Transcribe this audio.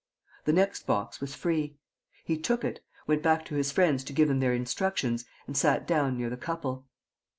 The next box was free. He took it, went back to his friends to give them their instructions and sat down near the couple.